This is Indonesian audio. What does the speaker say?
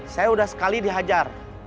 saya udah sekali dihajar